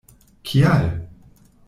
Kial?